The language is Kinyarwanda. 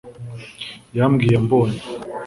Yambwiye ambonye